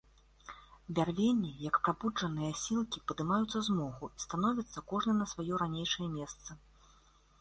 Бярвенні, як прабуджаныя асілкі, падымаюцца з моху і становяцца кожны на сваё ранейшае месца.